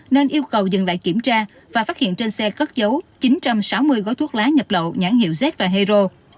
nên yêu cầu dừng lại kiểm tra và phát hiện trên xe cất dấu chín trăm sáu mươi gói thuốc lá nhập lậu nhãn hiệu z và hero